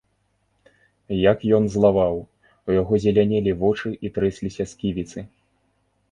Як ён злаваў, у яго зелянелі вочы і трэсліся сківіцы!